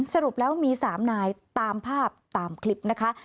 สรุปแล้วมี๓นายตามภาพตามคลิปนะคะ